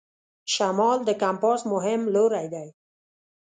شمال د کمپاس مهم لوری دی.